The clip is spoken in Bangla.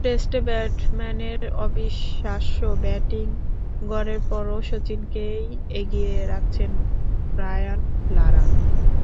টেস্টে ব্রাডম্যানের অবিশ্বাস্য ব্যাটিং গড়ের পরও শচীনকেই এগিয়ে রাখছেন ব্রায়ান লারা।